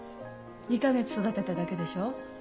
２か月育てただけでしょう？